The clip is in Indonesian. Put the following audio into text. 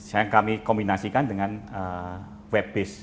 yang kami kombinasikan dengan web based